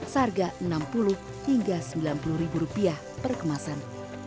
seharga enam puluh sembilan puluh ribu rupiah per kemasan